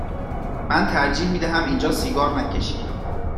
من ترجیح می دهم اینجا سیگار نکشی.